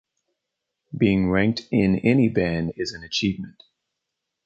Being ranked in any band is an achievement.